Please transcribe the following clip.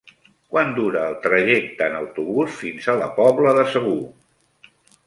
Quant dura el trajecte en autobús fins a la Pobla de Segur?